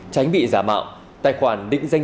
tránh bị giả mạo tài khoản định danh